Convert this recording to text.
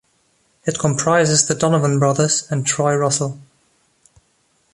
It comprises the Donovan brothers and Troy Russell.